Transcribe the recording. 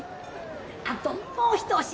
・あともう一押し！